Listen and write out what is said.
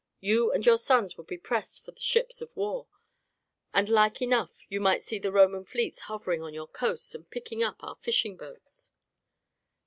You and your sons would be pressed for the ships of war, and like enough you might see the Roman fleets hovering on our coasts and picking up our fishing boats."